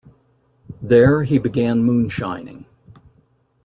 There, he began moonshining.